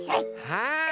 はい。